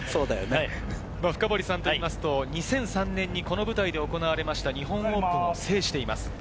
深堀さんというと、２００３年にこの舞台で行われた日本オープンを制しています。